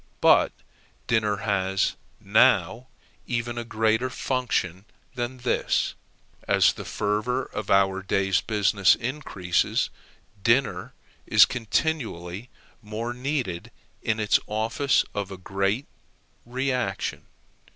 But dinner has now even a greater function than this; as the fervor of our day's business increases, dinner is continually more needed in its office of a great reaction.